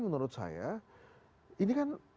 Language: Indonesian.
menurut saya ini kan